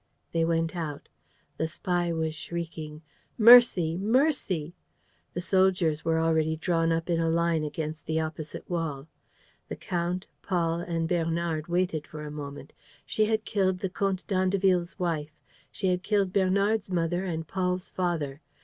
They went out. The spy was shrieking: "Mercy! Mercy!" The soldiers were already drawn up in line along the opposite wall. The count, Paul and Bernard waited for a moment. She had killed the Comte d'Andeville's wife. She had killed Bernard's mother and Paul's father.